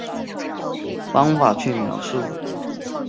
且这种真理仅能由一种方法去描述。